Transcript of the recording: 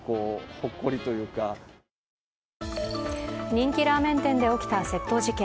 人気ラーメン店で起きた窃盗事件。